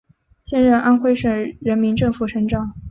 现任安徽省人民政府省长。